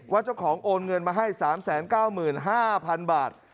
เจ้าของโอนเงินมาให้๓๙๕๐๐๐บาท